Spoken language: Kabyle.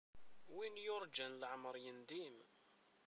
Win yurǧan leεmeṛ yendim.